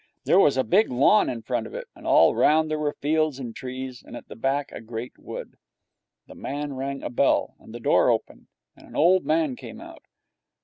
There was a big lawn in front of it, and all round there were fields and trees, and at the back a great wood. The man rang a bell, and the door opened, and an old man came out.